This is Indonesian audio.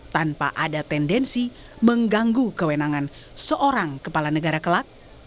tanpa ada tendensi mengganggu kewenangan seorang kepala negara kelak